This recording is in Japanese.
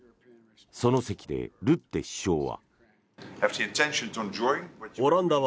その席で、ルッテ首相は。